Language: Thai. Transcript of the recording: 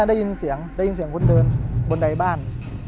ได้ยินเสียงได้ยินเสียงคนเดินบนใดบ้าน